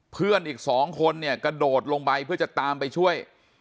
เพื่อนอีกสองคนเนี่ยกระโดดลงไปเพื่อจะตามไปช่วย